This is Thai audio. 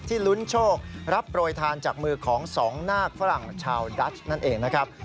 ลุ้นโชครับโปรยทานจากมือของสองนาคฝรั่งชาวดัชนั่นเองนะครับ